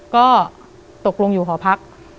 ก็ตกลงอยู่หอพัก